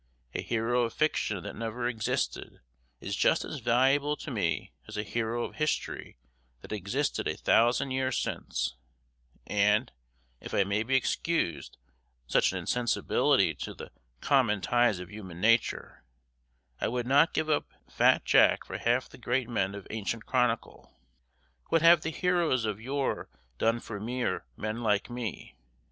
A hero of fiction that never existed is just as valuable to me as a hero of history that existed a thousand years since and, if I may be excused such an insensibility to the common ties of human nature, I would not give up fat Jack for half the great men of ancient chronicle. What have the heroes of yore done for me or men like me?